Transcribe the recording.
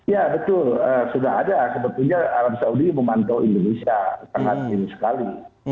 ya betul sudah ada sebetulnya arab saudi memantau indonesia sangat minim sekali